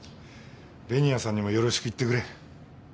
紅谷さんにもよろしく言ってくれ。